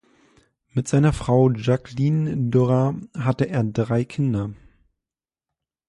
Mit seiner Frau Jacqueline Doran hatte er drei Kinder.